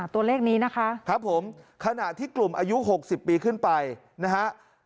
ตัวเลขนี้นะคะครับผมขณะที่กลุ่มอายุ๖๐ปีขึ้นไปนะฮะ